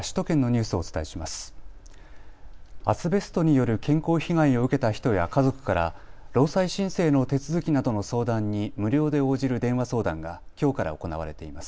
アスベストによる健康被害を受けた人や家族から労災申請の手続きなどの相談に無料で応じる電話相談がきょうから行われています。